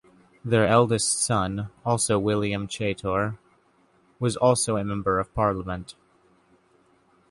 Their eldest son, also William Chaytor, was also a Member of Parliament.